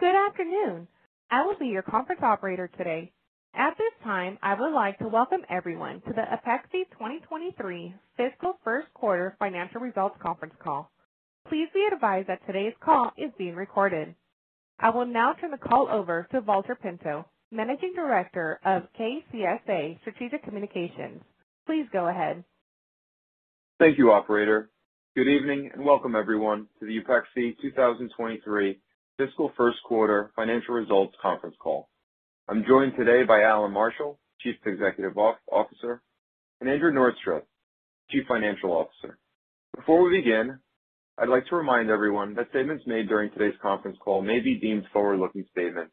Good afternoon. I will be your conference operator today. At this time, I would like to welcome everyone to the Upexi 2023 Fiscal First Quarter Financial Results Conference Call. Please be advised that today's call is being recorded. I will now turn the call over to Valter Pinto, Managing Director of KCSA Strategic Communications. Please go ahead. Thank you, operator. Good evening and welcome everyone to the Upexi 2023 Fiscal First Quarter Financial Results conference call. I'm joined today by Allan Marshall, Chief Executive Officer, and Andrew Norstrud, Chief Financial Officer. Before we begin, I'd like to remind everyone that statements made during today's conference call may be deemed forward-looking statements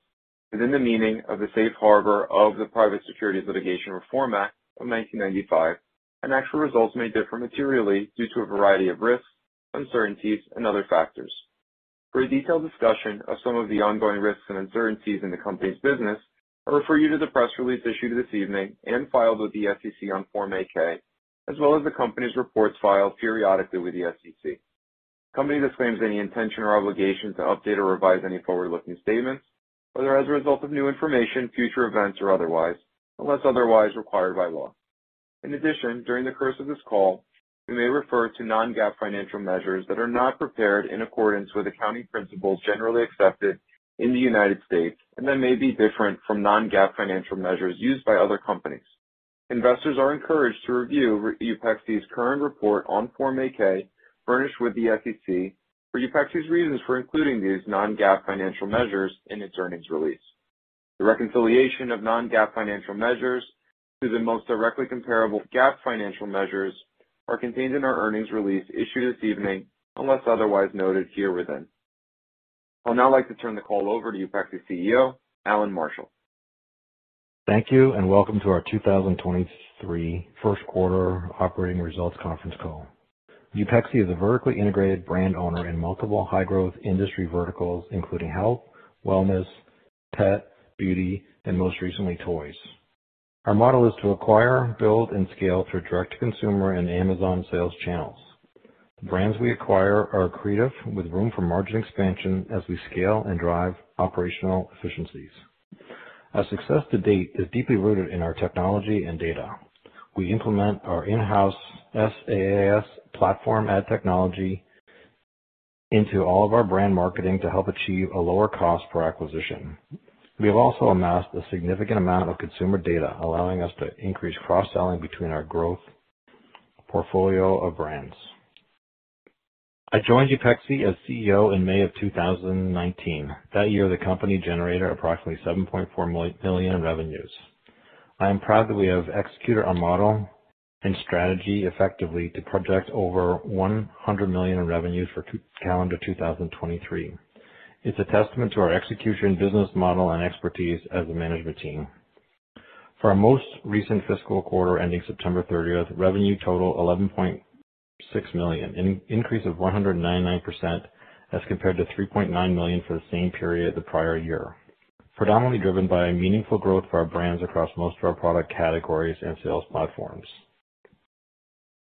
within the meaning of the safe harbor of the Private Securities Litigation Reform Act of 1995, and actual results may differ materially due to a variety of risks, uncertainties, and other factors. For a detailed discussion of some of the ongoing risks and uncertainties in the company's business, I refer you to the press release issued this evening and filed with the SEC on Form 8-K, as well as the company's reports filed periodically with the SEC. The company disclaims any intention or obligation to update or revise any forward-looking statements, whether as a result of new information, future events or otherwise, unless otherwise required by law. In addition, during the course of this call, we may refer to non-GAAP financial measures that are not prepared in accordance with accounting principles generally accepted in the United States and that may be different from non-GAAP financial measures used by other companies. Investors are encouraged to review Upexi's current report on Form 8-K furnished with the SEC for Upexi's reasons for including these non-GAAP financial measures in its earnings release. The reconciliation of non-GAAP financial measures to the most directly comparable GAAP financial measures are contained in our earnings release issued this evening, unless otherwise noted herein. I'll now like to turn the call over to Upexi CEO, Allan Marshall. Thank you, and welcome to our 2023 first quarter operating results conference call. Upexi is a vertically integrated brand owner in multiple high-growth industry verticals, including health, wellness, pet, beauty, and most recently, toys. Our model is to acquire, build, and scale through direct-to-consumer and Amazon sales channels. The brands we acquire are accretive with room for margin expansion as we scale and drive operational efficiencies. Our success to date is deeply rooted in our technology and data. We implement our in-house SaaS platform ad technology into all of our brand marketing to help achieve a lower cost per acquisition. We have also amassed a significant amount of consumer data, allowing us to increase cross-selling between our growth portfolio of brands. I joined Upexi as CEO in May of 2019. That year, the company generated approximately $7.4 million in revenues. I am proud that we have executed our model and strategy effectively to project over $100 million in revenue for calendar 2023. It's a testament to our execution, business model, and expertise as a management team. For our most recent fiscal quarter ending September 30, revenue totaled $11.6 million, an increase of 199% as compared to $3.9 million for the same period the prior year, predominantly driven by meaningful growth for our brands across most of our product categories and sales platforms.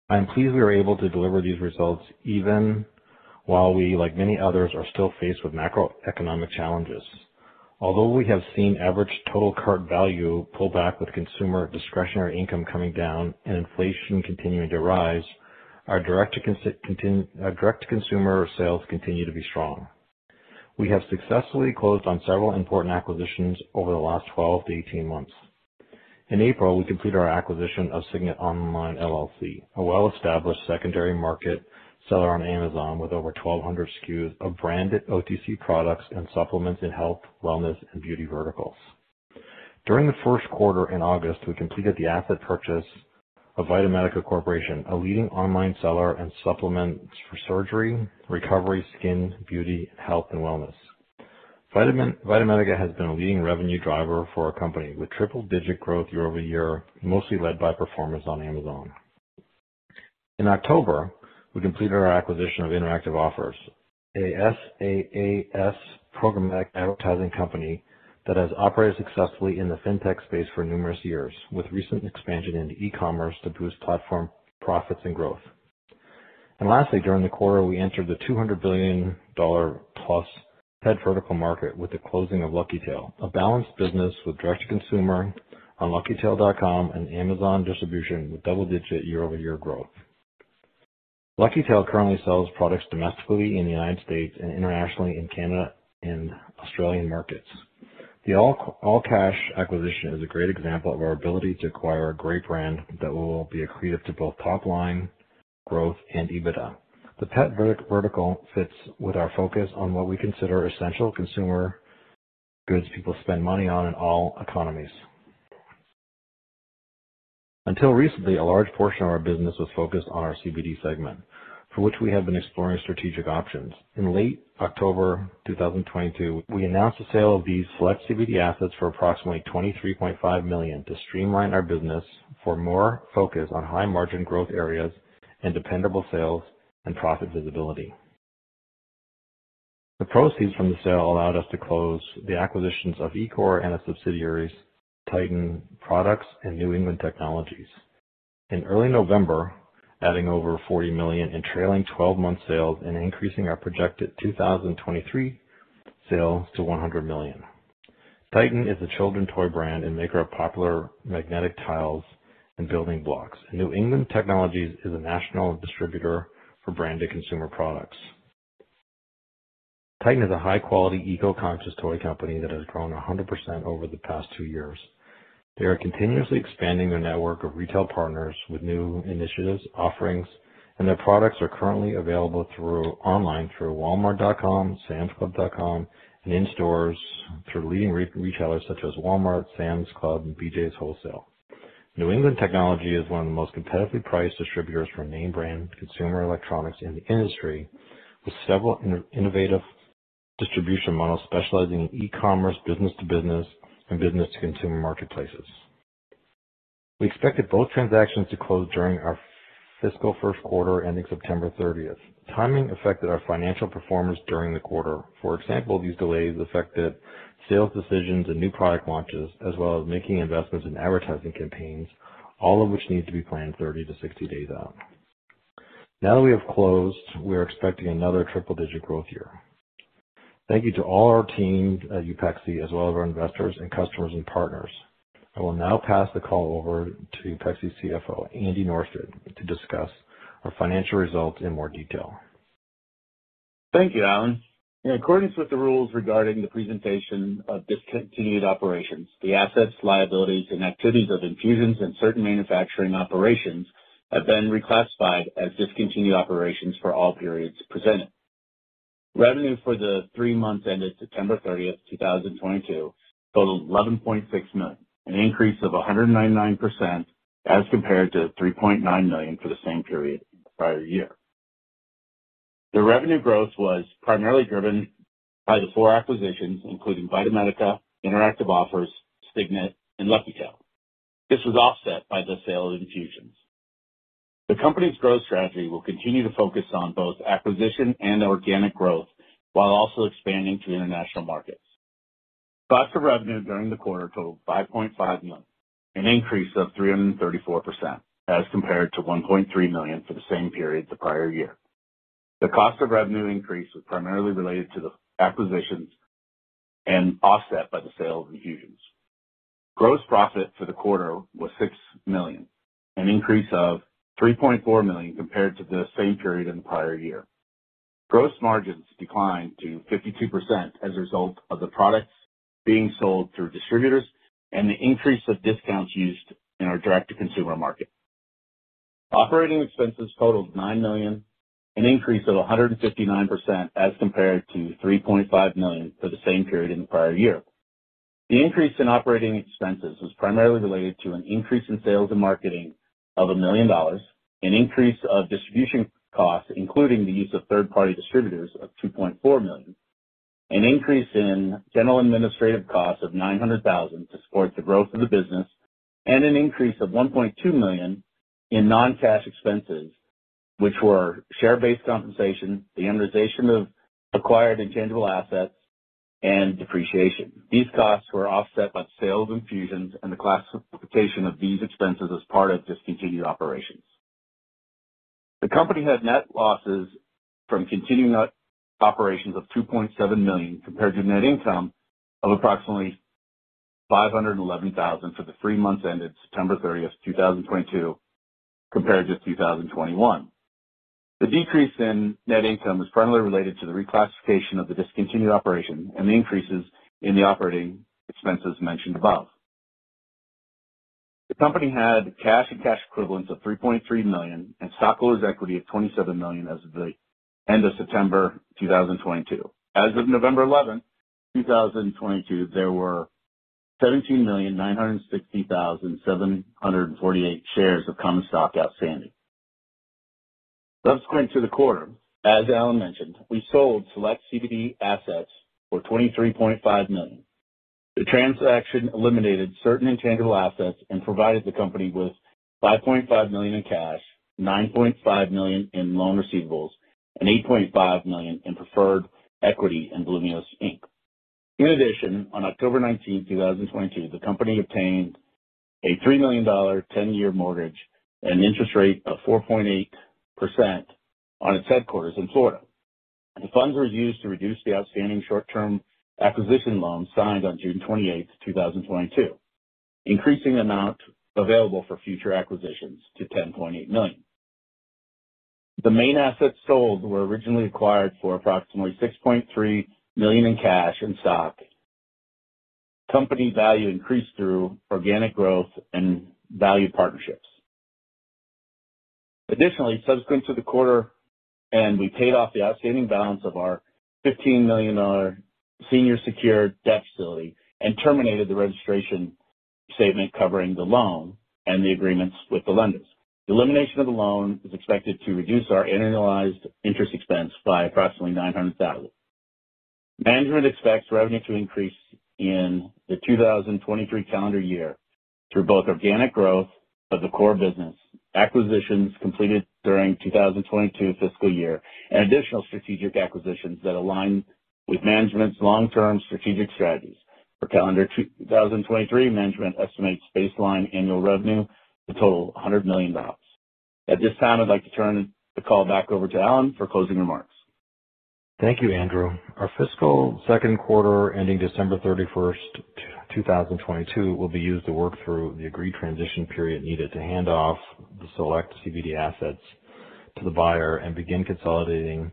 I am pleased we were able to deliver these results even while we, like many others, are still faced with macroeconomic challenges. Although we have seen average total cart value pull back with consumer discretionary income coming down and inflation continuing to rise, our direct-to-consumer sales continue to be strong. We have successfully closed on several important acquisitions over the last 12-18 months. In April, we completed our acquisition of Cygnet Online, LLC, a well-established secondary market seller on Amazon with over 1,200 SKUs of branded OTC products and supplements in health, wellness, and beauty verticals. During the first quarter in August, we completed the asset purchase of VitaMedica Corporation, a leding online seller of supplements for surgery, recovery, skin, beauty, health, anad wellness. VitaMedica has been a leading revenue driver for our company, with triple-digit growth year-over-year, mostly led by performance on Amazon. In October, we completed our acquisition of Interactive Offers, a SaaS programmatic advertising company that has operated successfully in the fintech space for numerous years, with recent expansion into e-commerce to boost platform profits and growth. Lastly, during the quarter, we entered the $200 billion-plus pet vertical market with the closing of Lucky Tail, a balanced business with direct to consumer on luckytail.com and Amazon distribution with double-digit year-over-year growth. Lucky Tail currently sells products domestically in the United States and internationally in Canada and Australian markets. The all-cash acquisition is a great example of our ability to acquire a great brand that will be accretive to both top line growth and EBITDA. The pet vertical fits with our focus on what we consider essential consumer goods people spend money on in all economies. Until recently, a large portion of our business was focused on our CBD segment, for which we have been exploring strategic options. In late October 2022, we announced the sale of these select CBD assets for approximately $23.5 million to streamline our business for more focus on high-margin growth areas and dependable sales and profit visibility. The proceeds from the sale allowed us to close the acquisitions of E-Core and its subsidiaries, Tytan Products, and New England Technology. In early November, adding over $40 million in trailing twelve-month sales and increasing our projected 2023 sales to $100 million. Tytan is a children's toy brand and maker of popular magnetic tiles and building blocks. New England Technology is a national distributor for branded consumer products. Tytan is a high-quality, eco-conscious toy company that has grown 100% over the past two years. They are continuously expanding their network of retail partners with new initiatives, offerings, and their products are currently available online through Walmart.com, samsclub.com, and in stores through leading retailers such as Walmart, Sam's Club, and BJ's Wholesale Club. New England Technology is one of the most competitively priced distributors for name brand consumer electronics in the industry, with several innovative distribution models specializing in e-commerce, business to business, and business to consumer marketplaces. We expected both transactions to close during our fiscal first quarter ending September 30. Timing affected our financial performance during the quarter. For example, these delays affected sales decisions and new product launches, as well as making investments in advertising campaigns, all of which need to be planned 30 to 60 days out. Now that we have closed, we are expecting another triple-digit growth year. Thank you to all our teams at Upexi as well as our investors and customers and partners. I will now pass the call over to Upexi's CFO, Andrew Norstrud, to discuss our financial results in more detail. Thank you, Allan. In accordance with the rules regarding the presentation of discontinued operations, the assets, liabilities and activities of Infusionz and certain manufacturing operations have been reclassified as discontinued operations for all periods presented. Revenue for the three months ended September 30th, 2022 totaled $11.6 million, an increase of 199% as compared to $3.9 million for the same period the prior year. The revenue growth was primarily driven by the four acquisitions, including VitaMedica, Interactive Offers, Cygnet and LuckyTail. This was offset by the sale of Infusionz. The company's growth strategy will continue to focus on both acquisition and organic growth, while also expanding to international markets. Cost of revenue during the quarter totaled $5.5 million, an increase of 334% as compared to $1.3 million for the same period the prior year. The cost of revenue increase was primarily related to the acquisitions and offset by the sale of Infusionz. Gross profit for the quarter was $6 million, an increase of $3.4 million compared to the same period in the prior year. Gross margins declined to 52% as a result of the products being sold through distributors and the increase of discounts used in our direct-to-consumer market. Operating expenses totaled $9 million, an increase of 159% as compared to $3.5 million for the same period in the prior year. The increase in operating expenses was primarily related to an increase in sales and marketing of $1 million, an increase of distribution costs, including the use of third-party distributors of $2.4 million, an increase in general administrative costs of $900,000 to support the growth of the business, and an increase of $1.2 million in non-cash expenses, which were share-based compensation, the amortization of acquired intangible assets, and depreciation. These costs were offset by sales infusions and the classification of these expenses as part of discontinued operations. The company had net losses from continuing operations of $2.7 million, compared to net income of approximately $511,000 for the three months ended September 30th, 2022, compared to 2021. The decrease in net income was primarily related to the reclassification of the discontinued operation and the increases in the operating expenses mentioned above. The company had cash and cash equivalents of $3.3 million and stockholders' equity of $27 million as of the end of September 2022. As of November 11th, 2022, there were 17,960,748 shares of common stock outstanding. Subsequent to the quarter, as Allan mentioned, we sold select CBD assets for $23.5 million. The transaction eliminated certain intangible assets and provided the company with $5.5 million in cash, $9.5 million in loan receivables, and $8.5 million in preferred equity in Luminos, Inc. In addition, on October 19th, 2022, the company obtained a $3 million 10-year mortgage at an interest rate of 4.8% on its headquarters in Florida. The funds were used to reduce the outstanding short-term acquisition loan signed on June 28, 2022, increasing amount available for future acquisitions to $10.8 million. The main assets sold were originally acquired for approximately $6.3 million in cash and stock. Company value increased through organic growth and valued partnerships. Additionally, subsequent to the quarter end, we paid off the outstanding balance of our $15 million senior secured debt facility and terminated the registration statement covering the loan and the agreements with the lenders. The elimination of the loan is expected to reduce our annualized interest expense by approximately $900,000. Management expects revenue to increase in the 2023 calendar year through both organic growth of the core business, acquisitions completed during 2022 fiscal year, and additional strategic acquisitions that align with management's long-term strategic strategies. For calendar 2023, management estimates baseline annual revenue to total $100 million. At this time, I'd like to turn the call back over to Allan for closing remarks. Thank you, Andrew. Our fiscal second quarter ending December 31st, 2022, will be used to work through the agreed transition period needed to hand off the select CBD assets to the buyer and begin consolidating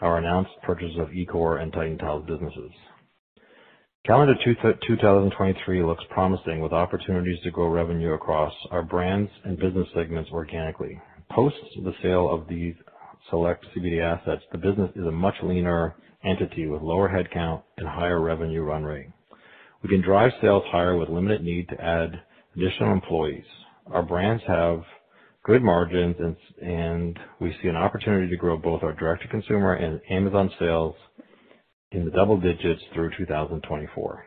our announced purchase of E-Core and Tytan Tiles businesses. Calendar 2023 looks promising, with opportunities to grow revenue across our brands and business segments organically. Post the sale of these select CBD assets, the business is a much leaner entity with lower headcount and higher revenue run rate. We can drive sales higher with limited need to add additional employees. Our brands have good margins and we see an opportunity to grow both our direct-to-consumer and Amazon sales in the double digits through 2024.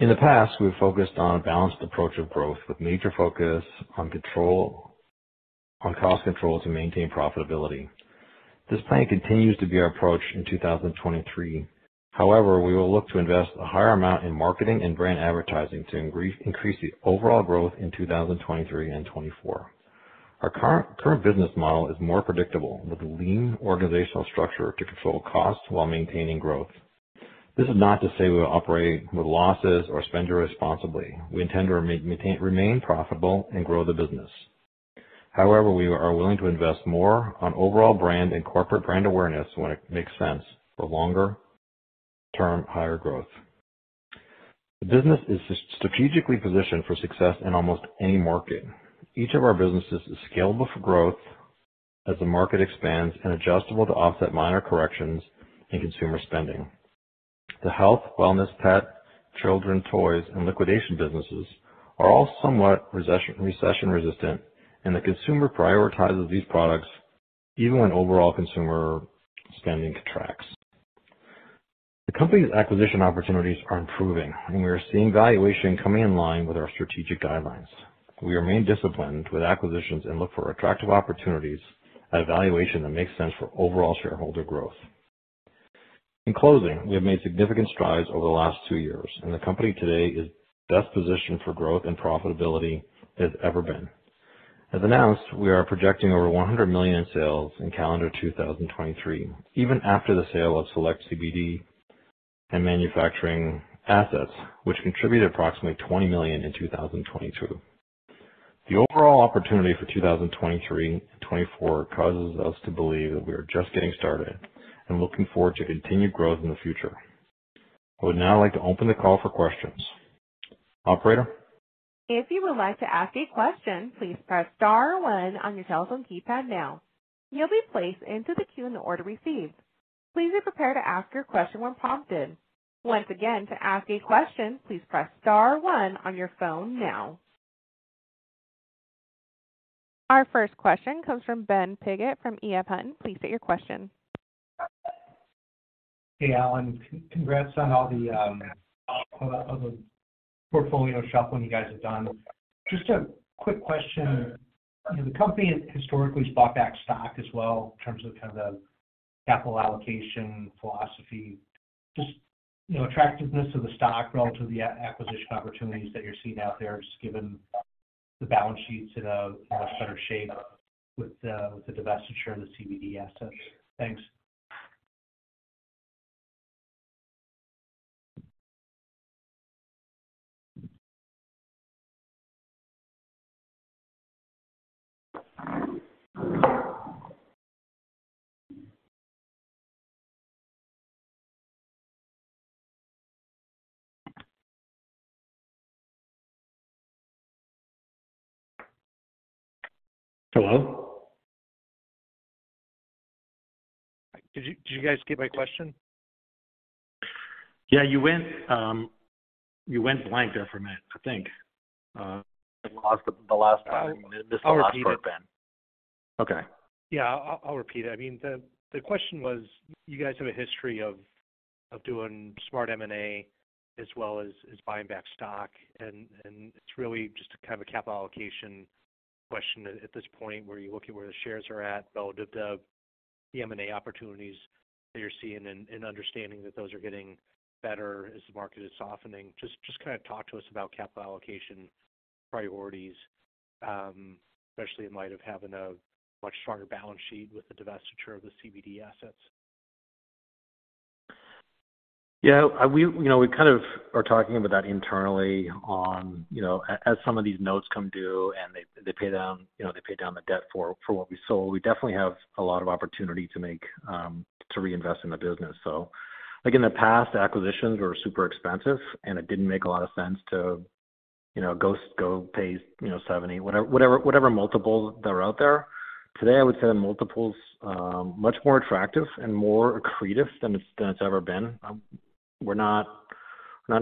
In the past, we've focused on a balanced approach of growth with major focus on control. On cost control to maintain profitability. This plan continues to be our approach in 2023. However, we will look to invest a higher amount in marketing and brand advertising to increase the overall growth in 2023 and 2024. Our current business model is more predictable with a lean organizational structure to control costs while maintaining growth. This is not to say we will operate with losses or spend irresponsibly. We intend to remain profitable and grow the business. However, we are willing to invest more on overall brand and corporate brand awareness when it makes sense for longer-term higher growth. The business is strategically positioned for success in almost any market. Each of our businesses is scalable for growth as the market expands and adjustable to offset minor corrections in consumer spending. The health, wellness, pet, children, toys, and liquidation businesses are all somewhat recession-resistant, and the consumer prioritizes these products even when overall consumer spending contracts. The company's acquisition opportunities are improving, and we are seeing valuation coming in line with our strategic guidelines. We remain disciplined with acquisitions and look for attractive opportunities at a valuation that makes sense for overall shareholder growth. In closing, we have made significant strides over the last two years, and the company today is best positioned for growth and profitability it has ever been. As announced, we are projecting over $100 million in sales in calendar 2023, even after the sale of select CBD and manufacturing assets, which contributed approximately $20 million in 2022. The overall opportunity for 2023 and 2024 causes us to believe that we are just getting started and looking forward to continued growth in the future. I would now like to open the call for questions. Operator? If you would like to ask a question, please press star one on your telephone keypad now. You'll be placed into the queue in the order received. Please be prepared to ask your question when prompted. Once again, to ask a question, please press star one on your phone now. Our first question comes from Ben Piggott from EF Hutton. Please state your question. Hey, Allan. Congrats on all the portfolio shuffling you guys have done. Just a quick question. The company historically has bought back stock as well in terms of kind of the capital allocation philosophy. Just, you know, attractiveness of the stock relative to the acquisition opportunities that you're seeing out there, just given the balance sheets in a better shape with the divestiture of the CBD assets. Thanks. Hello? Did you guys get my question? Yeah, you went blank there for a minute, I think. We lost the last, missed the last part, Ben. I'll repeat it. Okay. Yeah, I'll repeat it. I mean, the question was you guys have a history of doing smart M&A as well as buying back stock. It's really just a kind of a capital allocation question at this point, where you look at where the shares are at relative to the M&A opportunities that you're seeing and understanding that those are getting better as the market is softening. Just kinda talk to us about capital allocation priorities, especially in light of having a much stronger balance sheet with the divestiture of the CBD assets. Yeah, we, you know, we kind of are talking about that internally on, you know, as some of these notes come due and they pay down, you know, they pay down the debt for what we sold. We definitely have a lot of opportunity to reinvest in the business. Like in the past, acquisitions were super expensive, and it didn't make a lot of sense to, you know, go pay, you know, 70, whatever multiples that are out there. Today, I would say the multiples much more attractive and more accretive than it's ever been. We're not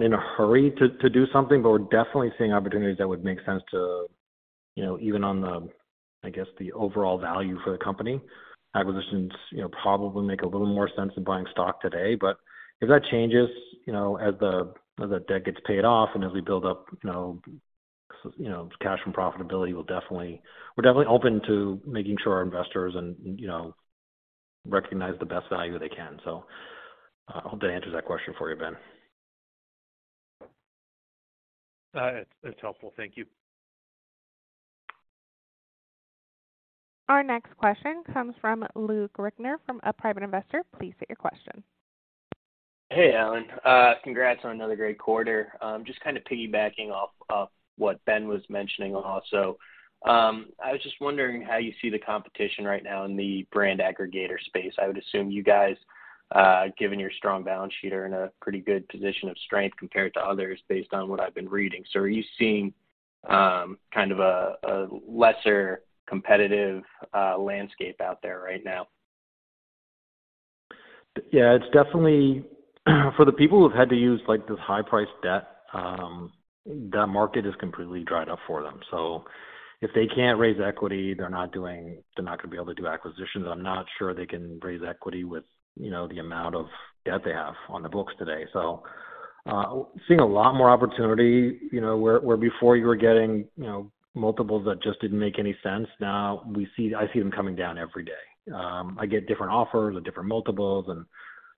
in a hurry to do something, but we're definitely seeing opportunities that would make sense to, you know, even on the, I guess, the overall value for the company. Acquisitions, you know, probably make a little more sense than buying stock today. If that changes, you know, as the debt gets paid off and as we build up, you know, cash and profitability, we're definitely open to making sure our investors and, you know, recognize the best value they can. I hope that answers that question for you, Ben. It's helpful. Thank you. Our next question comes from Luke Rickner from a Private Investor. Please state your question. Hey, Allan. Congrats on another great quarter. Just kinda piggybacking off what Ben was mentioning also. I was just wondering how you see the competition right now in the brand aggregator space. I would assume you guys, given your strong balance sheet, are in a pretty good position of strength compared to others based on what I've been reading. Are you seeing kind of a lesser competitive landscape out there right now? Yeah, it's definitely for the people who've had to use, like, this high-priced debt, that market has completely dried up for them. If they can't raise equity, they're not gonna be able to do acquisitions. I'm not sure they can raise equity with, you know, the amount of debt they have on the books today. Seeing a lot more opportunity, you know, where before you were getting, you know, multiples that just didn't make any sense, now we see. I see them coming down every day. I get different offers with different multiples.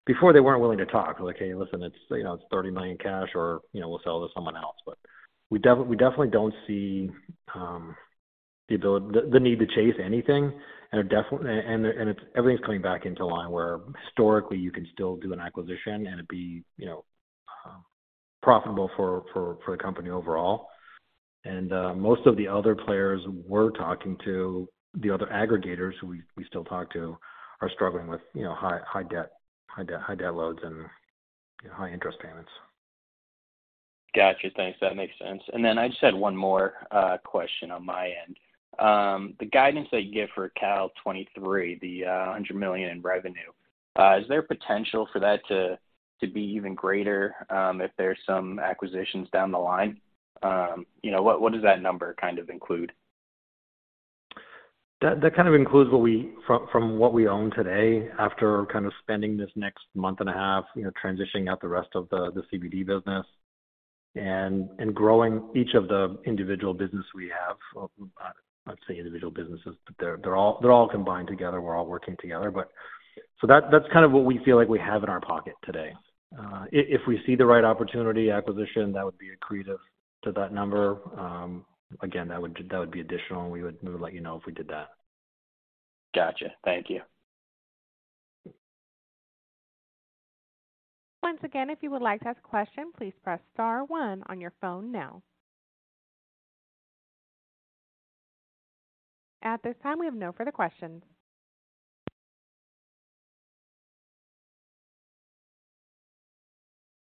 Before they weren't willing to talk. Like, "Hey, listen, it's, you know, it's $30 million cash, or, you know, we'll sell to someone else." We definitely don't see the need to chase anything. It's everything's coming back into line, where historically you can still do an acquisition and it'd be, you know, profitable for the company overall. Most of the other players we're talking to, the other aggregators who we still talk to, are struggling with, you know, high debt loads and, you know, high interest payments. Gotcha. Thanks. That makes sense. I just had one more question on my end. The guidance that you give for calendar 2023, the $100 million in revenue, is there potential for that to be even greater if there's some acquisitions down the line? You know, what does that number kind of include? That kind of includes from what we own today, after kind of spending this next month and a half, you know, transitioning out the rest of the CBD business and growing each of the individual business we have. I say individual businesses, but they're all combined together. We're all working together. That's kind of what we feel like we have in our pocket today. If we see the right opportunity, acquisition, that would be accretive to that number. Again, that would be additional, and we would let you know if we did that. Gotcha. Thank you. Once again, if you would like to ask a question, please press star one on your phone now. At this time, we have no further questions.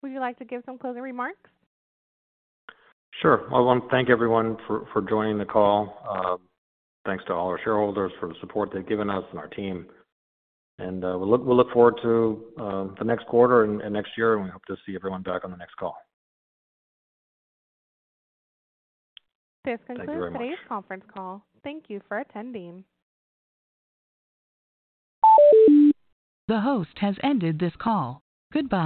Would you like to give some closing remarks? Sure. I wanna thank everyone for joining the call. Thanks to all our shareholders for the support they've given us and our team. We look forward to the next quarter and next year, and we hope to see everyone back on the next call. This concludes. Thank you very much. Today's conference call. Thank you for attending. The host has ended this call. Goodbye.